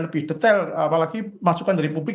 lebih detail apalagi masukan dari publik